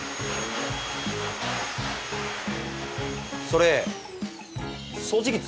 それ。